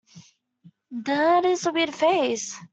That is a weird phrase.